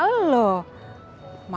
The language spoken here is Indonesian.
mak bosen sendirian di rumah